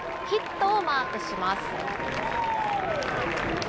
ヒットをマークします。